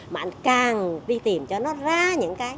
mà anh càng đi tìm cho nó ra những cái